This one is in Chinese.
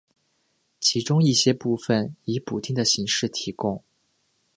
其中一些部分以补丁的形式提供。